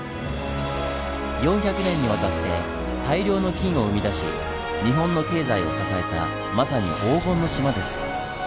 ４００年にわたって大量の金を生み出し日本の経済を支えたまさに「黄金の島」です。